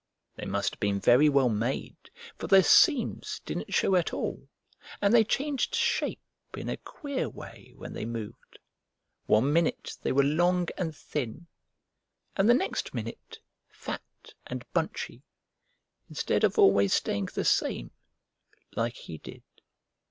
They must have been very well made, for their seams didn't show at all, and they changed shape in a queer way when they moved; one minute they were long and thin and the next minute fat and bunchy, instead of always staying the same like he did.